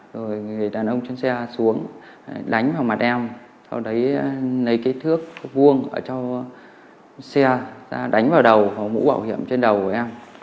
rồi người đàn ông trên xe xuống đánh vào mặt em sau đấy lấy cái thước vuông ở cho xe ra đánh vào đầu mũ bảo hiểm trên đầu của em